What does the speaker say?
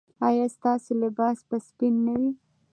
ایا ستاسو لباس به سپین نه وي؟